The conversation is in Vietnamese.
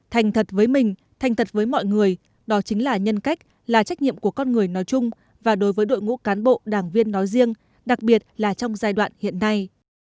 thành thật với mình thành thật với mọi người đó chính là nhân cách là trách nhiệm của con người nói chung và đối với đội ngũ cán bộ đảng viên nói riêng đặc biệt là trong giai đoạn hiện nay